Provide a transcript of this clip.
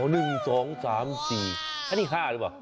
อ๋อหนึ่งสองสามสี่อันนี้ห้าหรือเปล่า